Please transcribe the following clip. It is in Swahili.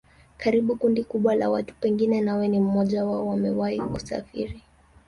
Karibu kundi kubwa la watu pengine nawe ni mmoja wao wamewahi kusafiri